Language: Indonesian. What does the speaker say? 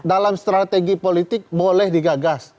dalam strategi politik boleh digagas